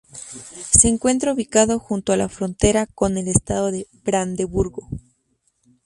Se encuentra ubicado junto a la frontera con el estado de Brandeburgo.